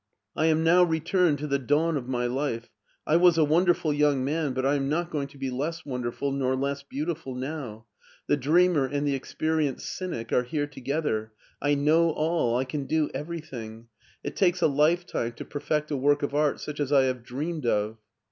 I am now returned to tHe dawn of my life. I was a wonderful young man, but I am not going to be less wonderful nor less beautiful now. THe dreamer and tHe experi enced C)mic are here togetHer; T know all, I can do cversrthing. It takes a lifetime to perfect i woric of jsirf such" as I Have dreamed of.